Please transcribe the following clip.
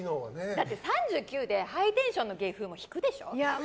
だって３９でハイテンションの芸風も引くでしょ？